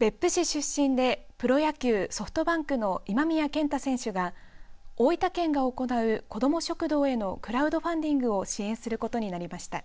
別府市出身でプロ野球、ソフトバンクの今宮健太選手が大分県が行う子ども食堂へのクラウドファンディングを支援することになりました。